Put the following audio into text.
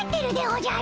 おじゃ。